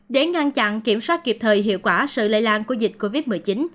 để ngăn chặn kiểm soát kịp thời hiệu quả sự lây lan của dịch covid một mươi chín